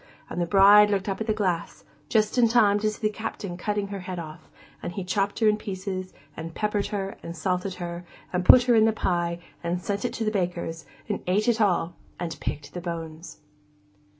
And the bride looked up at the glass, just in time to see the Captain cutting her head off; and he chopped her in pieces, and peppered her, and salted her, and put her in the pie, and sent it to the baker's, and ate it all, and picked the bones.